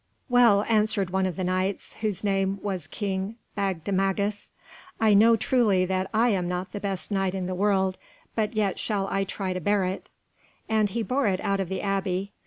"Well," answered one of the Knights, whose name was King Bagdemagus, "I know truly that I am not the best Knight in the world, but yet shall I try to bear it," and he bore it out of the Abbey.